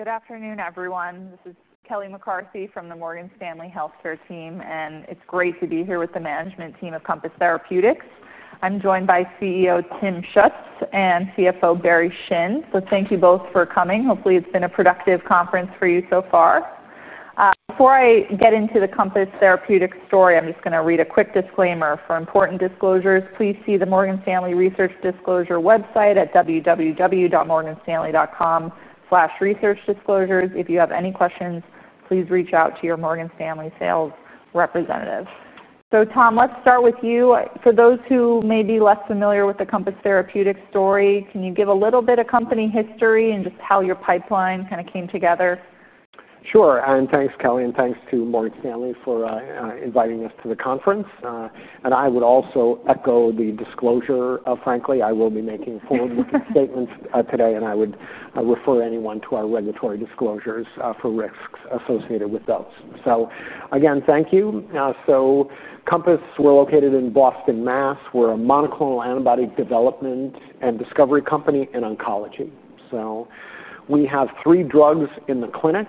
Good afternoon, everyone. This is Kelly McCarthy from the Morgan Stanley Healthcare team, and it's great to be here with the management team of Compass Therapeutics. I'm joined by CEO Thomas Schuetz and CFO Barry Shin, so thank you both for coming. Hopefully, it's been a productive conference for you so far. Before I get into the Compass Therapeutics story, I'm just going to read a quick disclaimer for important disclosures. Please see the Morgan Stanley Research Disclosure website at www.morganstanley.com/researchdisclosures. If you have any questions, please reach out to your Morgan Stanley sales representative. Tom, let's start with you. For those who may be less familiar with the Compass Therapeutics story, can you give a little bit of company history and just how your pipeline kind of came together? Sure. Thanks, Kelly, and thanks to Morgan Stanley for inviting us to the conference. I would also echo the disclosure, frankly. I will be making full and written statements today, and I would refer anyone to our regulatory disclosures for risks associated with those. Again, thank you. Compass Therapeutics is located in Boston, Massachusetts. We're a monoclonal antibody development and discovery company in oncology. We have three drugs in the clinic: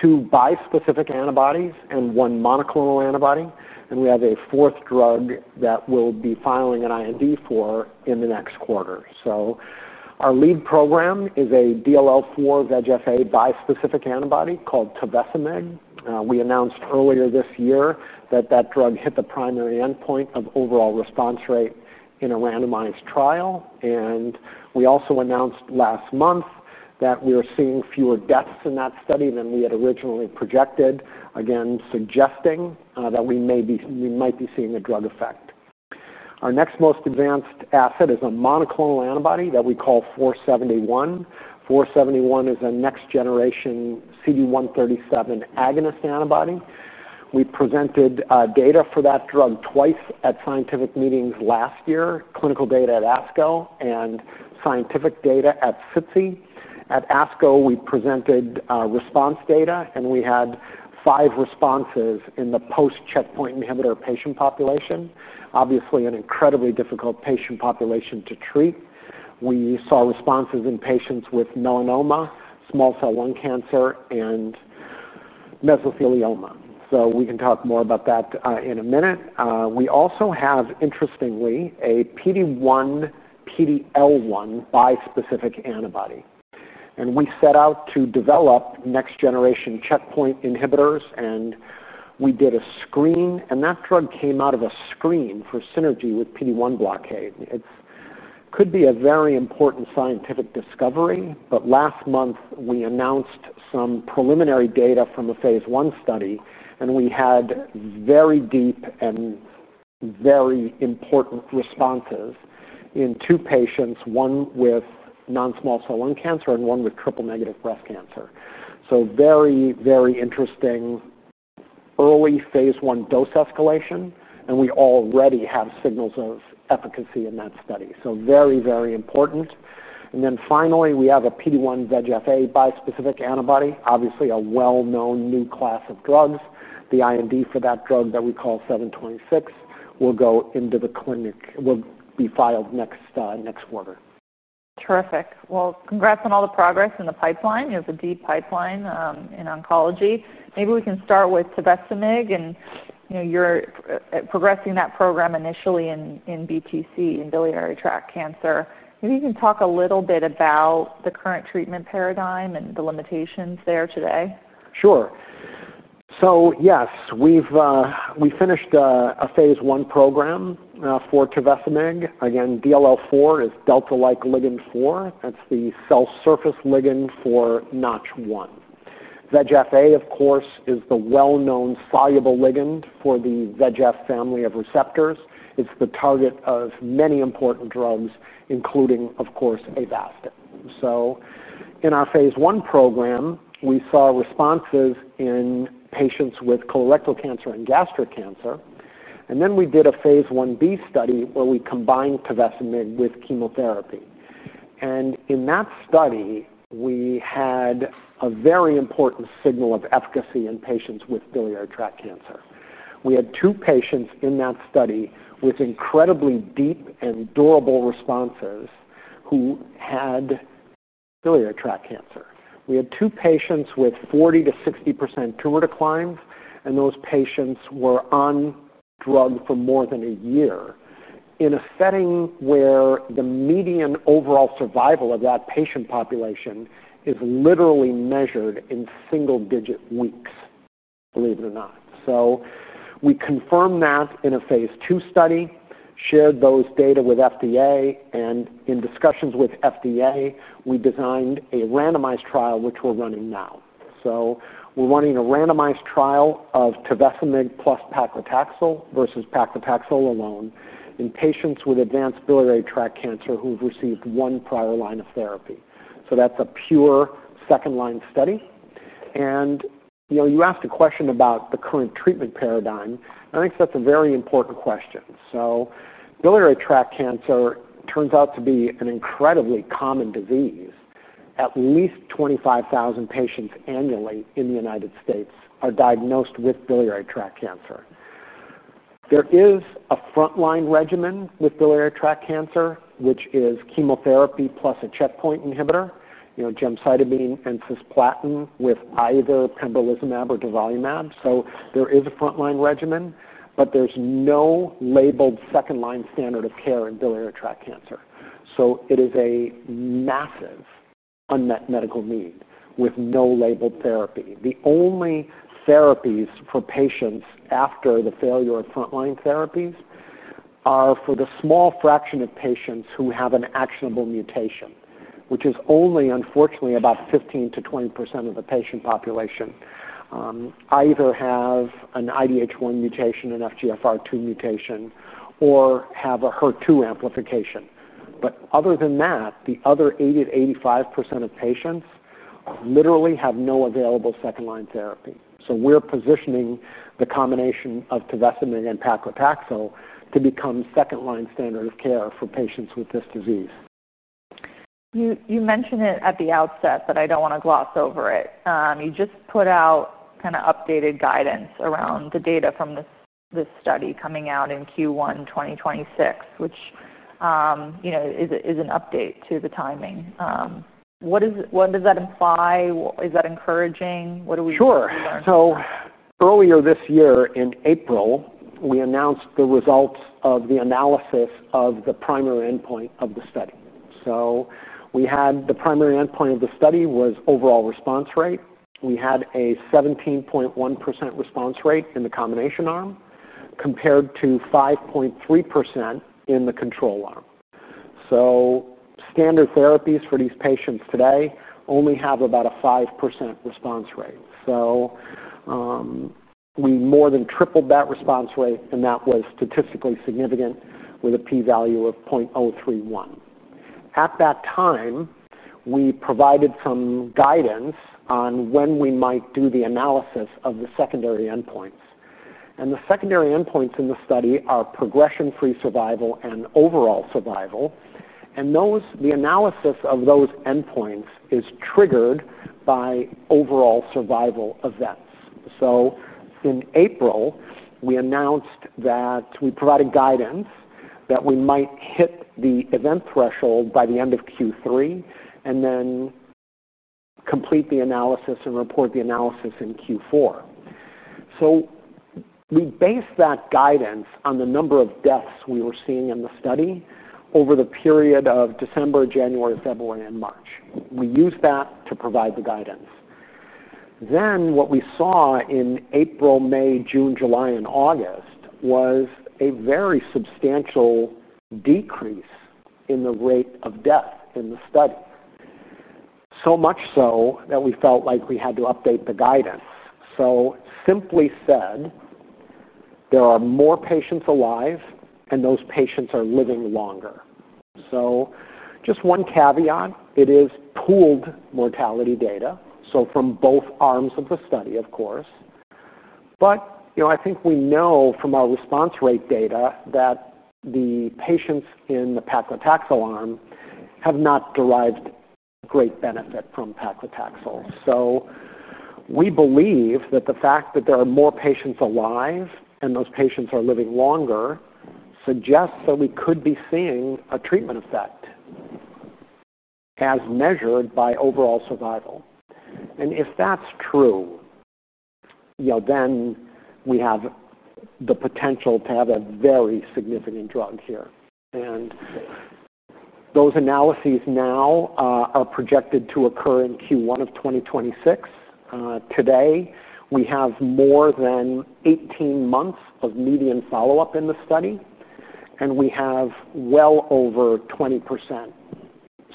two bispecific antibodies and one monoclonal antibody. We have a fourth drug that we'll be filing an IND for in the next quarter. Our lead program is a DLL4-VEGF8 bispecific antibody called Tavecimab. We announced earlier this year that that drug hit the primary endpoint of overall response rate in a randomized trial. We also announced last month that we are seeing fewer deaths in that study than we had originally projected, suggesting that we might be seeing a drug effect. Our next most advanced asset is a monoclonal antibody that we call 471. 471 is a next-generation CD137 agonist antibody. We presented data for that drug twice at scientific meetings last year: clinical data at ASCO and scientific data at CITSI. At ASCO, we presented response data, and we had five responses in the post-checkpoint inhibitor patient population, obviously an incredibly difficult patient population to treat. We saw responses in patients with melanoma, small cell lung cancer, and mesothelioma. We can talk more about that in a minute. We also have, interestingly, a PD1-PDL1 bispecific antibody. We set out to develop next-generation checkpoint inhibitors, and we did a screen, and that drug came out of a screen for synergy with PD1 blockade. It could be a very important scientific discovery, but last month, we announced some preliminary data from a phase I study, and we had very deep and very important responses in two patients, one with non-small cell lung cancer and one with triple-negative breast cancer. Very interesting early phase I dose escalation, and we already have signals of efficacy in that study. Very important. Finally, we have a PD1-VEGF8 bispecific antibody, obviously a well-known new class of drugs. The IND for that drug that we call 10726 will go into the clinic; it will be filed next quarter. Terrific. Congrats on all the progress in the pipeline. You have a deep pipeline in oncology. Maybe we can start with Tavecimab, and you know you're progressing that program initially in BTC, in biliary tract cancer. Maybe you can talk a little bit about the current treatment paradigm and the limitations there today. Sure. Yes, we've finished a phase I program for Tavecimab. DLL4 is Delta-like ligand 4. That's the cell surface ligand for NOTCH1. VEGF8, of course, is the well-known soluble ligand for the VEGF family of receptors. It's the target of many important drugs, including, of course, Avastin. In our phase I program, we saw responses in patients with colorectal cancer and gastric cancer. We did a phase IB study where we combined Tavecimab with chemotherapy. In that study, we had a very important signal of efficacy in patients with biliary tract cancer. We had two patients in that study with incredibly deep and durable responses who had biliary tract cancer. We had two patients with 40% to 60% tumor declines, and those patients were on drug for more than a year in a setting where the median overall survival of that patient population is literally measured in single-digit weeks, believe it or not. We confirmed that in a phase II study, shared those data with FDA, and in discussions with FDA, we designed a randomized trial, which we're running now. We're running a randomized trial of Tavecimab plus paclitaxel versus paclitaxel alone in patients with advanced biliary tract cancer who've received one prior line of therapy. That's a pure second-line study. You asked a question about the current treatment paradigm. I think that's a very important question. Biliary tract cancer turns out to be an incredibly common disease. At least 25,000 patients annually in the U.S. are diagnosed with biliary tract cancer. There is a front-line regimen with biliary tract cancer, which is chemotherapy plus a checkpoint inhibitor, gemcitabine and cisplatin, with either pembrolizumab or durvalumab. There is a front-line regimen, but there's no labeled second-line standard of care in biliary tract cancer. It is a massive unmet medical need with no labeled therapy. The only therapies for patients after the failure of front-line therapies are for the small fraction of patients who have an actionable mutation, which is only, unfortunately, about 15% to 20% of the patient population either have an IDH1 mutation, an FGFR2 mutation, or have a HER2 amplification. Other than that, the other 80% to 85% of patients literally have no available second-line therapy. We're positioning the combination of Tavecimab and paclitaxel to become second-line standard of care for patients with this disease. You mentioned it at the outset, but I don't want to gloss over it. You just put out kind of updated guidance around the data from this study coming out in Q1 2026, which, you know, is an update to the timing. What does that imply? Is that encouraging? What are we learning? Sure. Earlier this year, in April, we announced the results of the analysis of the primary endpoint of the study. The primary endpoint of the study was overall response rate. We had a 17.1% response rate in the combination arm compared to 5.3% in the control arm. Standard therapies for these patients today only have about a 5% response rate. We more than tripled that response rate, and that was statistically significant with a p-value of 0.031. At that time, we provided some guidance on when we might do the analysis of the secondary endpoints. The secondary endpoints in the study are progression-free survival and overall survival. The analysis of those endpoints is triggered by overall survival events. In April, we announced that we provided guidance that we might hit the event threshold by the end of Q3 and then complete the analysis and report the analysis in Q4. We based that guidance on the number of deaths we were seeing in the study over the period of December, January, February, and March. We used that to provide the guidance. What we saw in April, May, June, July, and August was a very substantial decrease in the rate of death in the study, so much so that we felt like we had to update the guidance. Simply said, there are more patients alive, and those patients are living longer. Just one caveat: it is pooled mortality data, from both arms of the study, of course. I think we know from our response rate data that the patients in the paclitaxel arm have not derived great benefit from paclitaxel. We believe that the fact that there are more patients alive and those patients are living longer suggests that we could be seeing a treatment effect as measured by overall survival. If that's true, then we have the potential to have a very significant drug here. Those analyses now are projected to occur in Q1 of 2026. Today, we have more than 18 months of median follow-up in the study, and we have well over 20%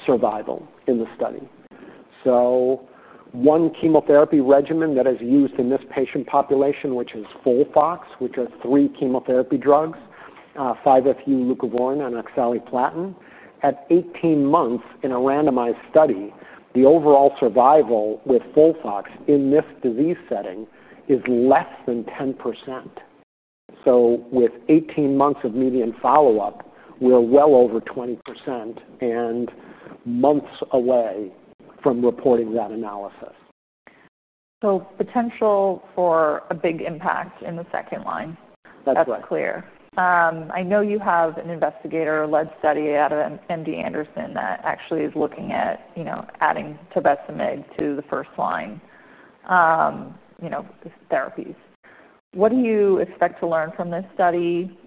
survival in the study. One chemotherapy regimen that is used in this patient population, which is FOLFOX, which are three chemotherapy drugs: 5-FU, leucovorin, and oxaliplatin. At 18 months in a randomized study, the overall survival with FOLFOX in this disease setting is less than 10%. With 18 months of median follow-up, we are well over 20% and months away from reporting that analysis. is potential for a big impact in the second line. That's right. That's clear. I know you have an investigator-led study out of MD Anderson that actually is looking at adding Tavecimab to the first line therapies. What do you expect to learn from this study?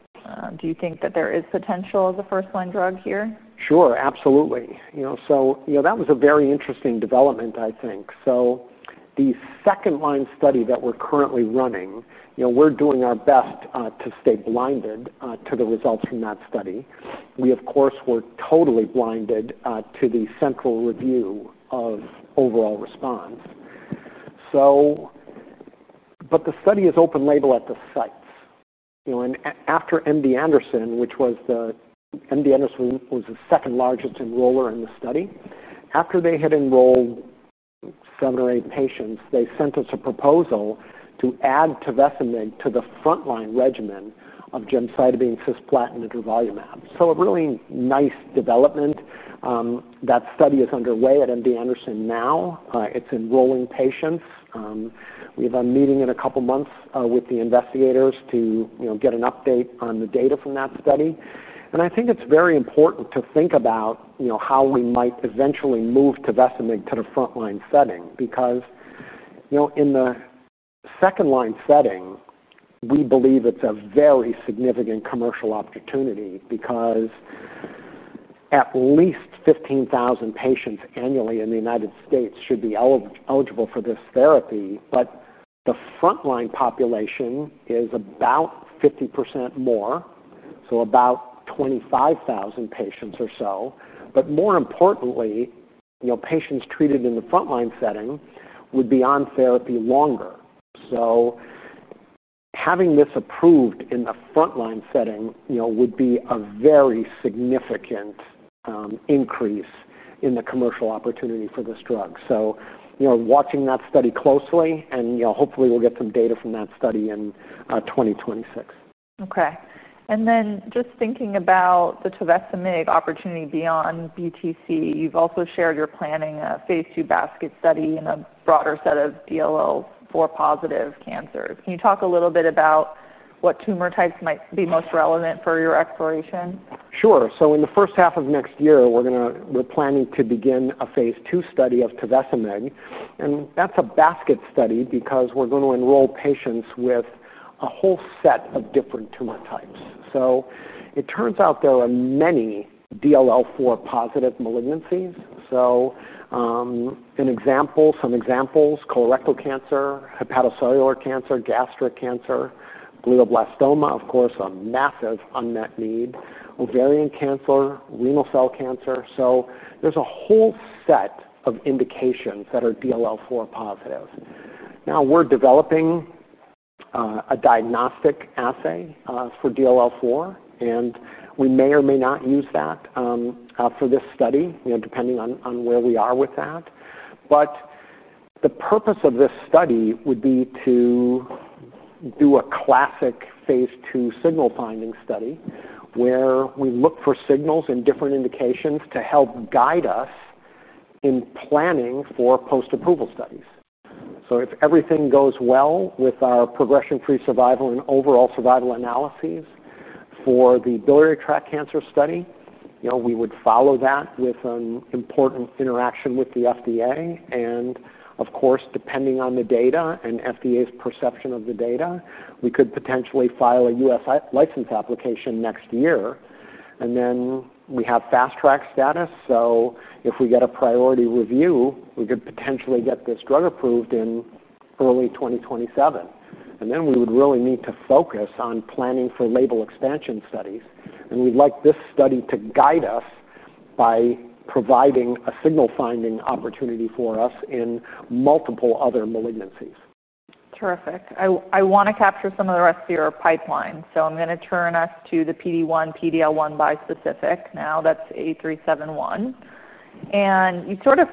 Do you think that there is potential as a first-line drug here? Sure, absolutely. That was a very interesting development, I think. The second-line study that we're currently running, we're doing our best to stay blinded to the results from that study. We, of course, were totally blinded to the central review of overall response. The study is open label at the sites. After MD Anderson, which was the second largest enroller in the study, had enrolled seven or eight patients, they sent us a proposal to add Tavecimab to the front-line regimen of gemcitabine, cisplatin, and durvalumab. A really nice development. That study is underway at MD Anderson now. It's enrolling patients. We have a meeting in a couple of months with the investigators to get an update on the data from that study. I think it's very important to think about how we might eventually move Tavecimab to the front-line setting because in the second-line setting, we believe it's a very significant commercial opportunity because at least 15,000 patients annually in the U.S. should be eligible for this therapy. The front-line population is about 50% more, so about 25,000 patients or so. More importantly, patients treated in the front-line setting would be on therapy longer. Having this approved in the front-line setting would be a very significant increase in the commercial opportunity for this drug. We're watching that study closely, and hopefully, we'll get some data from that study in 2026. Okay. Just thinking about the Tavecimab opportunity beyond BTC, you've also shared you're planning a phase II basket study in a broader set of DLL4-positive cancers. Can you talk a little bit about what tumor types might be most relevant for your exploration? Sure. In the first half of next year, we're planning to begin a phase II study of Tavecimab. That's a basket study because we're going to enroll patients with a whole set of different tumor types. It turns out there are many DLL4-positive malignancies. Some examples: colorectal cancer, hepatocellular cancer, gastric cancer, glioblastoma, of course, a massive unmet need, ovarian cancer, renal cell cancer. There's a whole set of indications that are DLL4-positive. We're developing a diagnostic assay for DLL4, and we may or may not use that for this study, depending on where we are with that. The purpose of this study would be to do a classic phase II signal-finding study where we look for signals in different indications to help guide us in planning for post-approval studies. If everything goes well with our progression-free survival and overall survival analyses for the biliary tract cancer study, we would follow that with an important interaction with the FDA. Of course, depending on the data and FDA's perception of the data, we could potentially file a U.S. license application next year. We have fast-track status. If we get a priority review, we could potentially get this drug approved in early 2027. We would really need to focus on planning for label expansion studies. We'd like this study to guide us by providing a signal-finding opportunity for us in multiple other malignancies. Terrific. I want to capture some of the rest of your pipeline. I'm going to turn us to the PD1-PDL1 bispecific. Now that's H371. You've sort of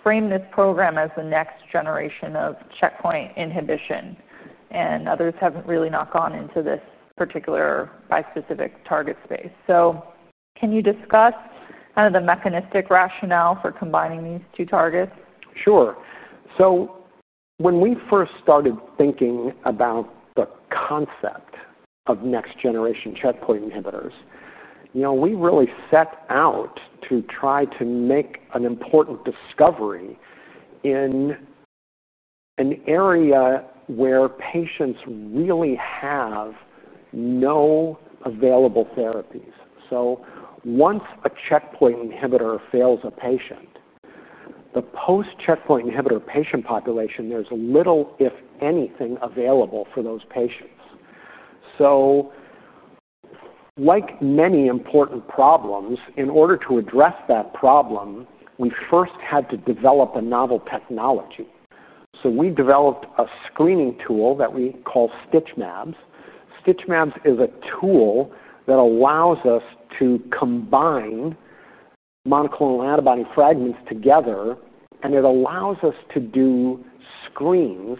framed this program as the next generation of checkpoint inhibition, and others have really not gone into this particular bispecific target space. Can you discuss kind of the mechanistic rationale for combining these two targets? Sure. When we first started thinking about the concept of next-generation checkpoint inhibitors, we really set out to try to make an important discovery in an area where patients really have no available therapies. Once a checkpoint inhibitor fails a patient, the post-checkpoint inhibitor patient population, there's little, if anything, available for those patients. Like many important problems, in order to address that problem, we first had to develop a novel technology. We developed a screening tool that we call StitchMabs. StitchMabs is a tool that allows us to combine monoclonal antibody fragments together, and it allows us to do screens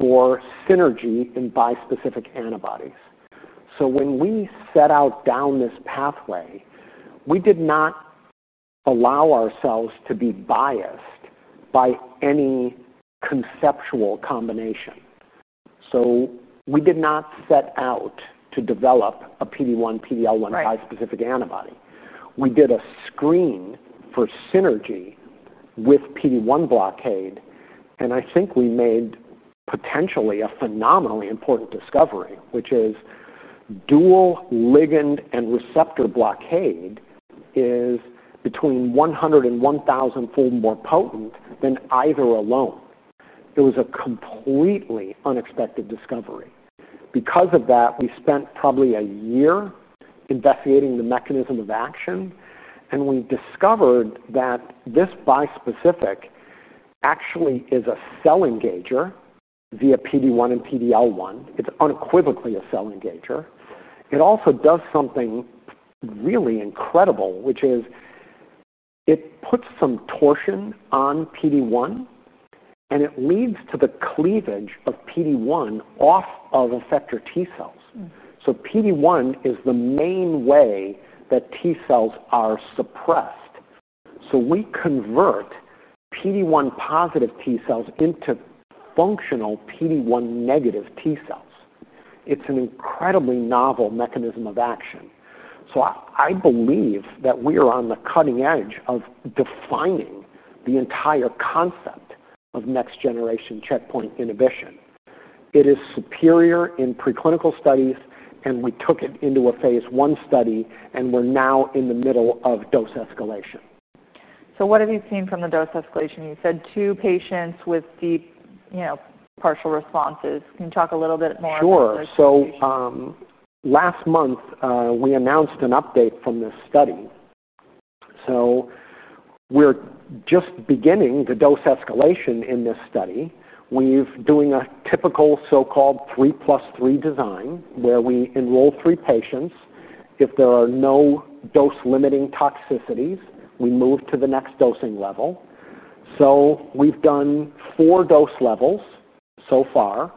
for synergy in bispecific antibodies. When we set out down this pathway, we did not allow ourselves to be biased by any conceptual combination. We did not set out to develop a PD1-PDL1 bispecific antibody. We did a screen for synergy with PD1 blockade, and I think we made potentially a phenomenally important discovery, which is dual ligand and receptor blockade is between 100 and 1,000 fold more potent than either alone. It was a completely unexpected discovery. Because of that, we spent probably a year investigating the mechanism of action, and we discovered that this bispecific actually is a cell engager via PD1 and PDL1. It's unequivocally a cell engager. It also does something really incredible, which is it puts some torsion on PD1, and it leads to the cleavage of PD1 off of effector T cells. PD1 is the main way that T cells are suppressed. We convert PD1 positive T cells into functional PD1 negative T cells. It's an incredibly novel mechanism of action. I believe that we are on the cutting edge of defining the entire concept of next-generation checkpoint inhibition. It is superior in preclinical studies, and we took it into a phase I study, and we're now in the middle of dose escalation. What have you seen from the dose escalation? You said two patients with deep, you know, partial responses. Can you talk a little bit more? Sure. Last month, we announced an update from this study. We're just beginning the dose escalation in this study. We're doing a typical so-called three plus three design where we enroll three patients. If there are no dose-limiting toxicities, we move to the next dosing level. We've done four dose levels so far.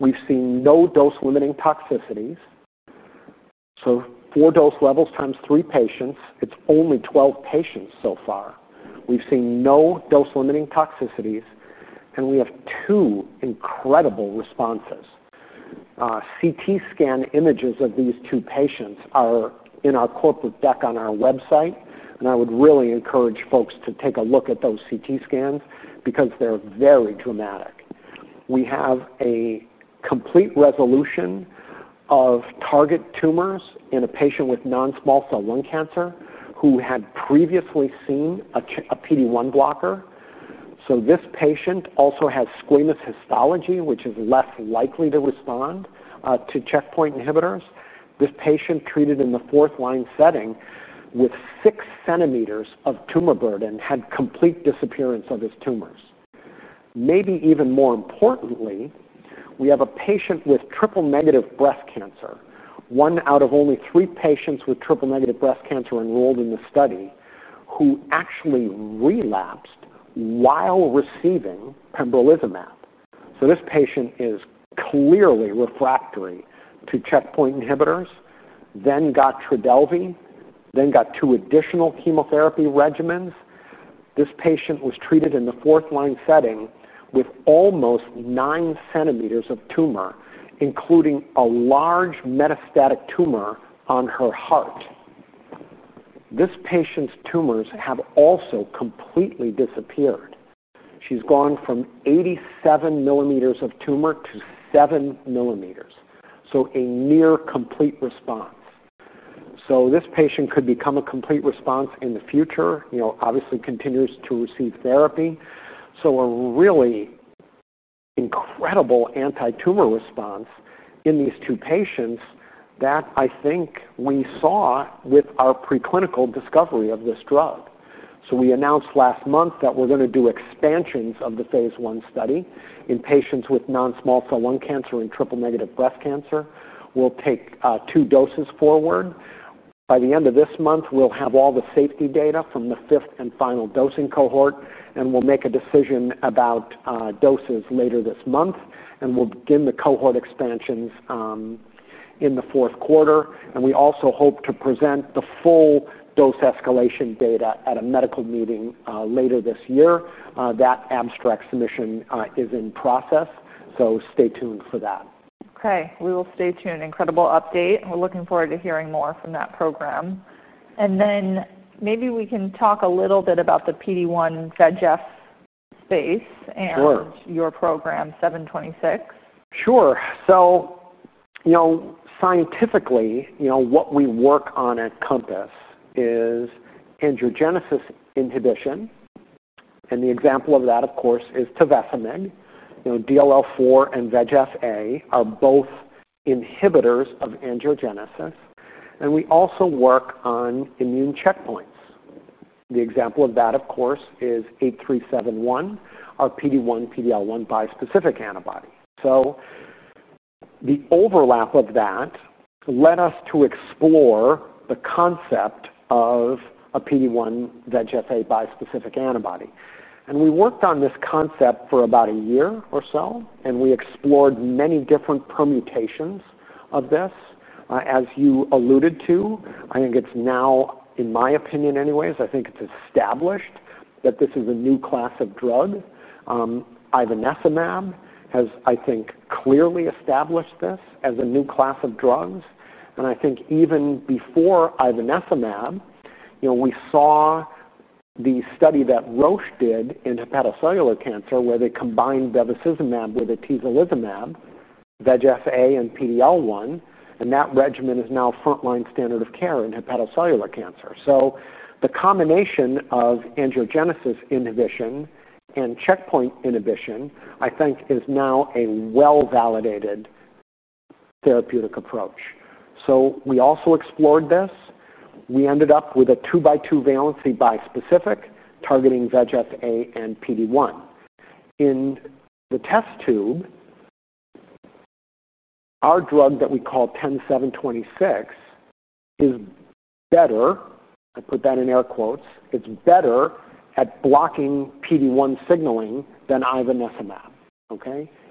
We've seen no dose-limiting toxicities. Four dose levels times three patients, it's only 12 patients so far. We've seen no dose-limiting toxicities, and we have two incredible responses. CT scan images of these two patients are in our corporate deck on our website, and I would really encourage folks to take a look at those CT scans because they're very dramatic. We have a complete resolution of target tumors in a patient with non-small cell lung cancer who had previously seen a PD1 blocker. This patient also has squamous histology, which is less likely to respond to checkpoint inhibitors. This patient treated in the fourth-line setting with six centimeters of tumor burden had complete disappearance of his tumors. Maybe even more importantly, we have a patient with triple-negative breast cancer, one out of only three patients with triple-negative breast cancer enrolled in the study, who actually relapsed while receiving pembrolizumab. This patient is clearly refractory to checkpoint inhibitors, then got Trodelvy, then got two additional chemotherapy regimens. This patient was treated in the fourth-line setting with almost nine centimeters of tumor, including a large metastatic tumor on her heart. This patient's tumors have also completely disappeared. She's gone from 87 millimeters of tumor to 7 millimeters, so a near complete response. This patient could become a complete response in the future, obviously continues to receive therapy. A really incredible anti-tumor response in these two patients that I think we saw with our preclinical discovery of this drug. We announced last month that we're going to do expansions of the phase I study in patients with non-small cell lung cancer and triple-negative breast cancer. We'll take two doses forward. By the end of this month, we'll have all the safety data from the fifth and final dosing cohort, and we'll make a decision about doses later this month. We'll begin the cohort expansions in the fourth quarter. We also hope to present the full dose escalation data at a medical meeting later this year. That abstract submission is in process, so stay tuned for that. Okay. We will stay tuned. Incredible update. We're looking forward to hearing more from that program. Maybe we can talk a little bit about the PD1-VEGF space and your program, 10726. Sure. Scientifically, what we work on at Compass Therapeutics is angiogenesis inhibition. The example of that, of course, is Tavecimab. DLL4 and VEGF8 are both inhibitors of angiogenesis. We also work on immune checkpoints. The example of that, of course, is H371, our PD1-PDL1 bispecific antibody. The overlap of that led us to explore the concept of a PD1-VEGF8 bispecific antibody. We worked on this concept for about a year or so, and we explored many different permutations of this. As you alluded to, I think it's now, in my opinion anyways, I think it's established that this is a new class of drug. Ivernizumab has, I think, clearly established this as a new class of drugs. Even before Ivernizumab, we saw the study that Roche did in hepatocellular cancer where they combined bevacizumab with atezolizumab, VEGF8 and PDL1. That regimen is now front-line standard of care in hepatocellular cancer. The combination of angiogenesis inhibition and checkpoint inhibition is now a well-validated therapeutic approach. We also explored this. We ended up with a 2x2 valency bispecific targeting VEGF8 and PD1. In the test tube, our drug that we call 10726 is better—I put that in air quotes. It's better at blocking PD1 signaling than Ivernizumab.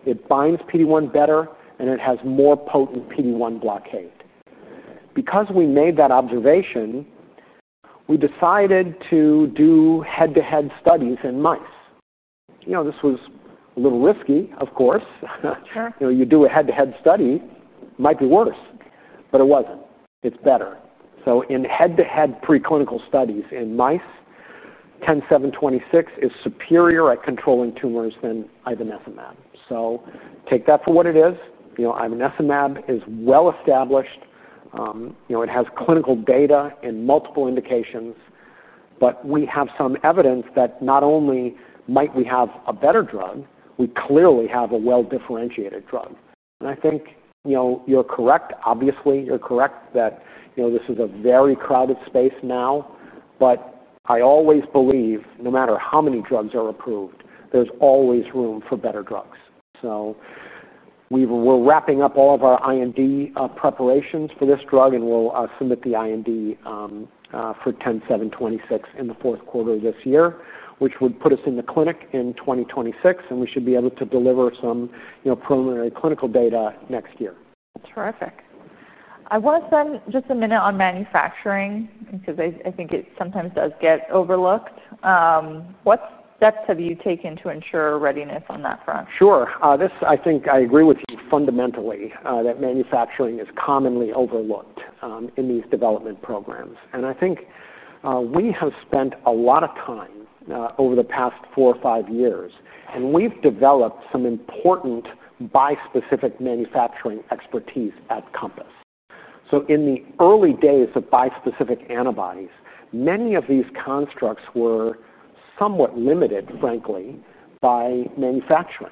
It binds PD1 better, and it has more potent PD1 blockade. Because we made that observation, we decided to do head-to-head studies in mice. This was a little risky, of course. You do a head-to-head study, it might be worse, but it wasn't. It's better. In head-to-head preclinical studies in mice, 10726 is superior at controlling tumors than Ivernizumab. Take that for what it is. Ivernizumab is well established. It has clinical data in multiple indications. We have some evidence that not only might we have a better drug, we clearly have a well-differentiated drug. You're correct. Obviously, you're correct that this is a very crowded space now. I always believe, no matter how many drugs are approved, there's always room for better drugs. We're wrapping up all of our IND preparations for this drug, and we'll submit the IND for 10726 in the fourth quarter of this year, which would put us in the clinic in 2026. We should be able to deliver some preliminary clinical data next year. Terrific. I want to spend just a minute on manufacturing because I think it sometimes does get overlooked. What steps have you taken to ensure readiness on that front? Sure. I think I agree with you fundamentally, that manufacturing is commonly overlooked in these development programs. I think we have spent a lot of time over the past four or five years, and we've developed some important bispecific manufacturing expertise at Compass. In the early days of bispecific antibodies, many of these constructs were somewhat limited, frankly, by manufacturing.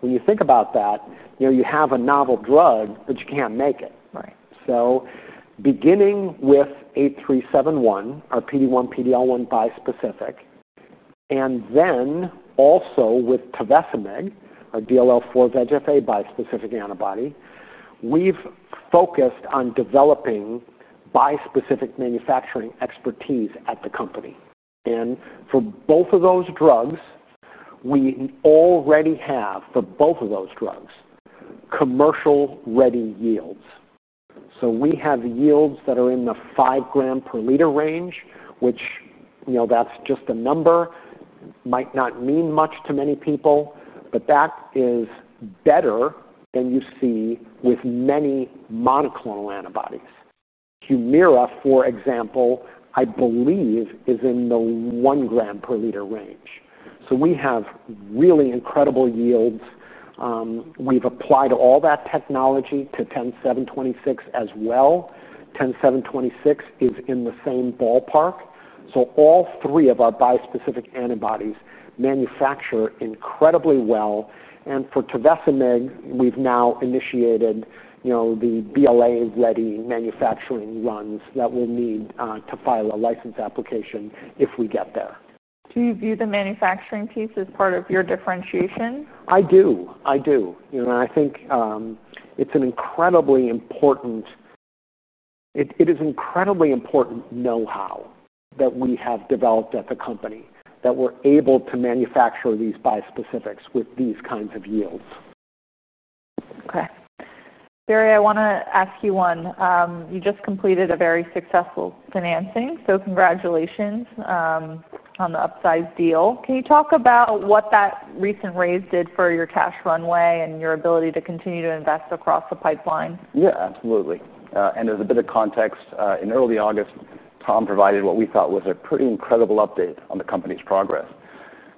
When you think about that, you know, you have a novel drug, but you can't make it. Right. Beginning with H371, our PD1-PDL1 bispecific, and then also with Tavecimab, our DLL4-VEGF8 bispecific antibody, we've focused on developing bispecific manufacturing expertise at the company. For both of those drugs, we already have, for both of those drugs, commercial-ready yields. We have yields that are in the five gram per liter range, which, you know, that's just a number. It might not mean much to many people, but that is better than you see with many monoclonal antibodies. Humira, for example, I believe, is in the one gram per liter range. We have really incredible yields. We've applied all that technology to 10726 as well. 10726 is in the same ballpark. All three of our bispecific antibodies manufacture incredibly well. For Tavecimab, we've now initiated the BLA-ready manufacturing runs that we'll need to file a license application if we get there. Do you view the manufacturing piece as part of your differentiation? I think it's an incredibly important know-how that we have developed at the company that we're able to manufacture these bispecifics with these kinds of yields. Okay. Barry, I want to ask you one. You just completed a very successful financing, so congratulations on the upsized deal. Can you talk about what that recent raise did for your cash runway and your ability to continue to invest across the pipeline? Yeah, absolutely. As a bit of context, in early August, Tom provided what we thought was a pretty incredible update on the company's progress.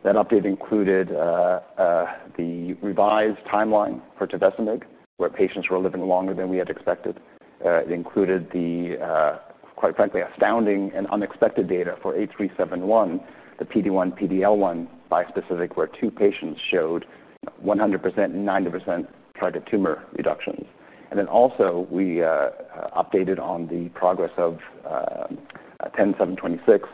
That update included the revised timeline for Tavecimab, where patients were living longer than we had expected. It included the, quite frankly, astounding and unexpected data for H371, the PD1-PDL1 bispecific, where two patients showed 100% and 90% target tumor reductions. We also updated on the progress of 10726,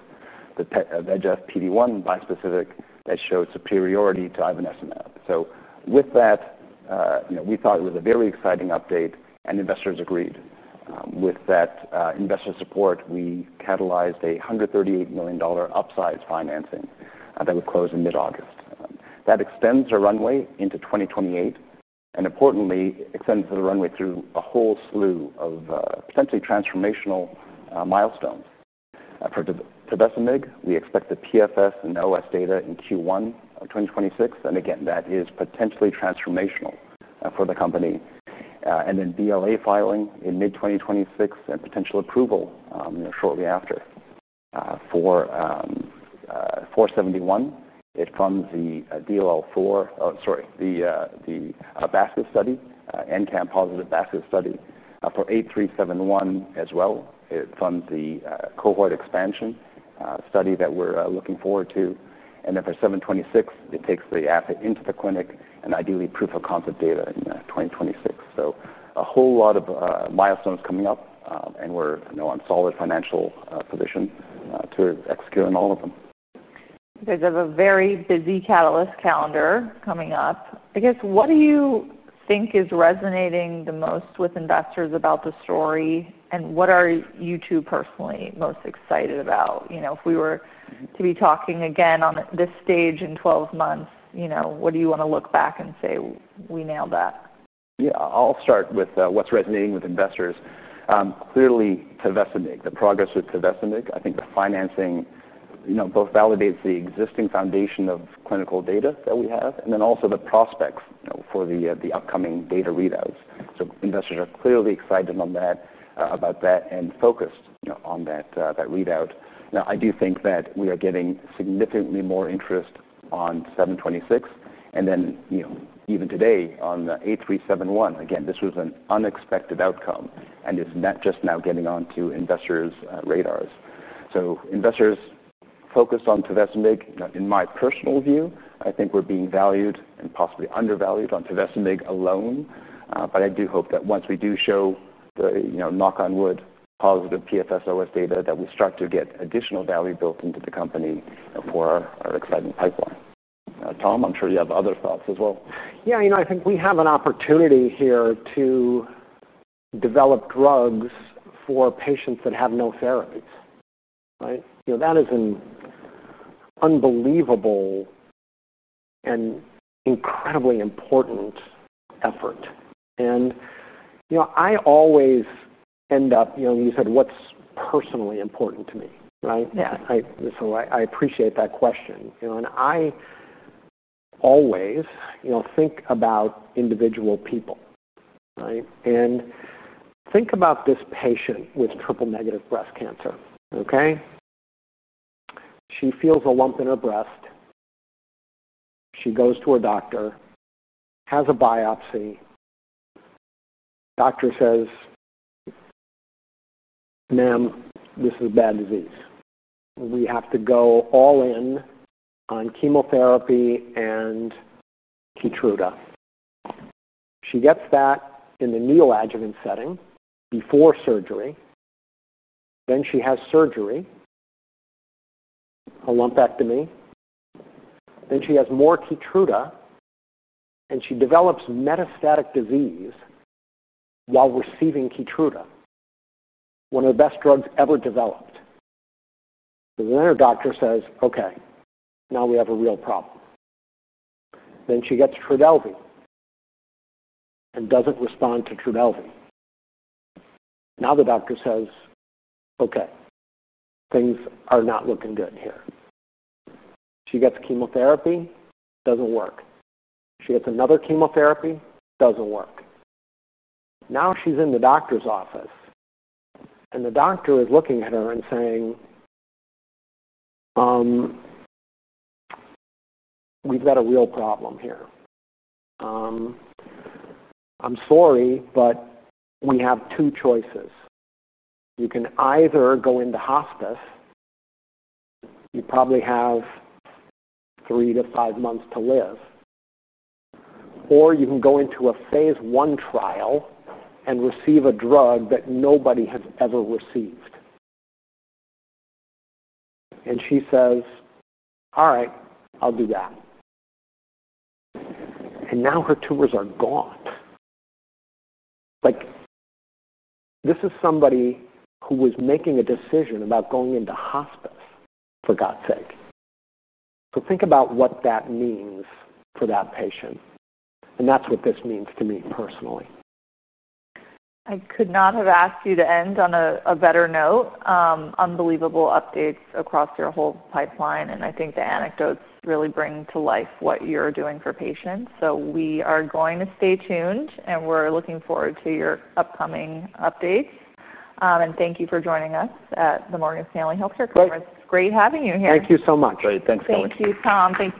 the VEGF PD1 bispecific that showed superiority to Ivernizumab. With that, we thought it was a very exciting update, and investors agreed. With that investor support, we catalyzed a $138 million upside financing that would close in mid-August. That extends the runway into 2028, and importantly, extends the runway through a whole slew of potentially transformational milestones. For Tavecimab, we expect the PFS and OS data in Q1 of 2026. That is potentially transformational for the company. The BLA filing is in mid-2026 and potential approval shortly after. For 471, it funds the DLL4, oh, sorry, the basket study, NCAM positive basket study. For H371 as well, it funds the cohort expansion study that we're looking forward to. For 10726, it takes the asset into the clinic and ideally proof of concept data in 2026. A whole lot of milestones are coming up, and we're in a solid financial position to execute on all of them. You guys have a very busy catalyst calendar coming up. I guess, what do you think is resonating the most with investors about the story, and what are you two personally most excited about? If we were to be talking again on this stage in 12 months, what do you want to look back and say, "We nailed that"? Yeah, I'll start with what's resonating with investors. Clearly, Tavecimab, the progress with Tavecimab, I think the financing both validates the existing foundation of clinical data that we have, and then also the prospects for the upcoming data readouts. Investors are clearly excited about that and focused on that readout. I do think that we are getting significantly more interest on 10726, and even today on H371. This was an unexpected outcome and is just now getting onto investors' radars. Investors focused on Tavecimab, in my personal view, I think we're being valued and possibly undervalued on Tavecimab alone. I do hope that once we do show the, you know, knock on wood, positive PFS/OS data, that we start to get additional value built into the company for our exciting pipeline. Tom, I'm sure you have other thoughts as well. Yeah, I think we have an opportunity here to develop drugs for patients that have no therapies. That is an unbelievable and incredibly important effort. I always end up, you said, "What's personally important to me?" Right? Yeah. I appreciate that question. You know, I always think about individual people, right? I think about this patient with triple-negative breast cancer. She feels a lump in her breast. She goes to her doctor, has a biopsy. The doctor says, "Ma'am, this is a bad disease. We have to go all in on chemotherapy and Keytruda." She gets that in the neoadjuvant setting before surgery. She has surgery, a lumpectomy. She has more Keytruda, and she develops metastatic disease while receiving Keytruda, one of the best drugs ever developed. Her doctor says, "Okay, now we have a real problem." She gets Trodelvy and doesn't respond to Trodelvy. The doctor says, "Okay, things are not looking good here." She gets chemotherapy, doesn't work. She gets another chemotherapy, doesn't work. Now she's in the doctor's office, and the doctor is looking at her and saying, "We've got a real problem here. I'm sorry, but we have two choices. You can either go into hospice. You probably have three to five months to live, or you can go into a phase I trial and receive a drug that nobody has ever received." She says, "All right, I'll do that." Now her tumors are gone. This is somebody who was making a decision about going into hospice, for God's sake. Think about what that means for that patient. That's what this means to me personally. I could not have asked you to end on a better note. Unbelievable updates across your whole pipeline. I think the anecdotes really bring to life what you're doing for patients. We are going to stay tuned, and we're looking forward to your upcoming updates. Thank you for joining us at the Morgan Stanley Healthcare Program. It's great having you here. Thank you so much, Barry. Thanks, Kelly. Same to you, Tom. Thanks.